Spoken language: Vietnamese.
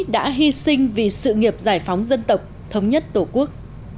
đã hy sinh vì sự nghiệp giải phóng dân tộc thống nhất tổ quốc